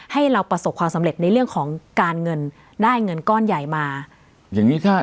ให้เราประสบความสำเร็จในเรื่องของการเงินได้เงินก้อนใหญ่มาอย่างงี้ถ้า